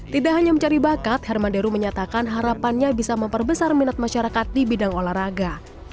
tidak hanya mencari bakat hermanderu menyatakan harapannya bisa memperbesar minat masyarakat di bidang olahraga